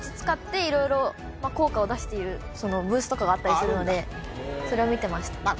使っていろいろ効果を出しているブースとかがあったりするのでそれを見てました